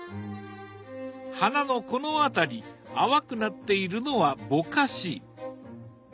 花のこの辺り淡くなっているのは「ぼかし」。